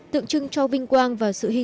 tượng trưng cho vinh quang và vĩ đại của quốc tế